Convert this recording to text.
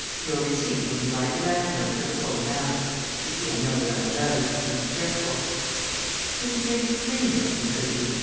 Your receipt will be my demand note for the full amount. You see I know what I'm about, and I'm careful." [Illustration: "COULDN'T MAKE IT THREE MILLION, COULD YOU?"